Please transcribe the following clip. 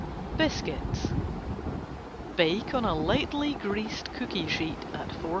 Biscuits: Bake on a lightly greased cookie sheet at 425°F.